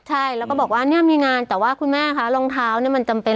ใช่แล้วก็บอกว่าเนี่ยมีงานแต่ว่าคุณแม่คะรองเท้าเนี่ยมันจำเป็น